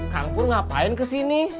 kang pur ngapain kesini